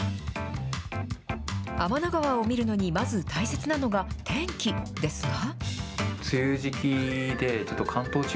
天の川を見るのにまず大切なのが、天気ですか？